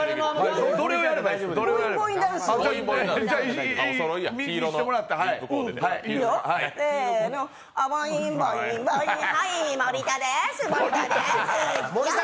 どれをやればいいですか？